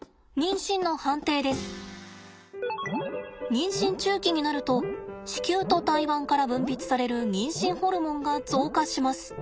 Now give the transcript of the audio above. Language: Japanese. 妊娠中期になると子宮と胎盤から分泌される妊娠ホルモンが増加します。